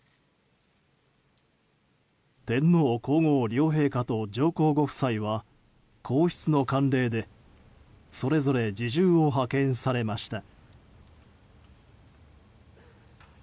天皇・皇后両陛下と上皇ご夫妻は皇室の慣例でそれぞれ侍従を派遣されました。